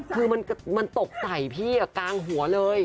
คือมันตกใส่พี่กลางหัวเลย